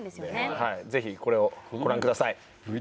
はいぜひこれをご覧ください